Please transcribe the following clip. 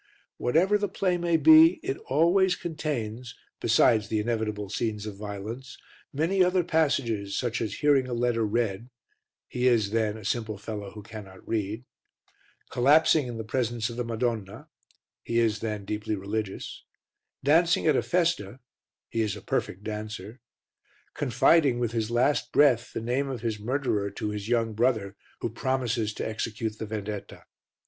Whatever the play may be, it always contains, besides the inevitable scenes of violence, many other passages such as hearing a letter read (he is then a simple fellow who cannot read), collapsing in the presence of the Madonna (he is then deeply religious), dancing at a festa (he is a perfect dancer), confiding, with his last breath, the name of his murderer to his young brother who promises to execute the vendetta.